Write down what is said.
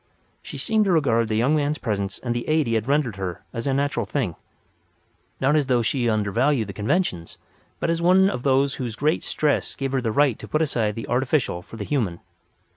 She seemed to regard the young man's presence and the aid he had rendered her as a natural thing—not as though she undervalued the conventions; but as one whose great stress gave her the right to put aside the artificial for the human.